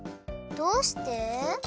どうして？